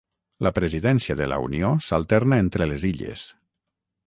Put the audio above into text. La presidència de la Unió s'alterna entre les illes.